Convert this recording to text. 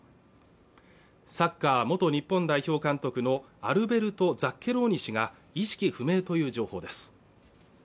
サッカー元日本代表監督のアルベルト・ザッケローニ氏が意識不明という情報です